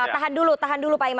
tahan dulu tahan dulu pak imam